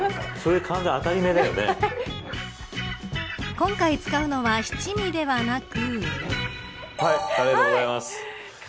今回使うのは七味ではなく。